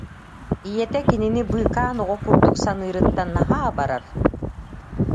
Ийэтэ кинини быыкаан оҕо курдук саныырыттан наһаа абарар